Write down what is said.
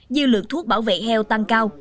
dư lượng thuốc bảo vệ heo tăng cao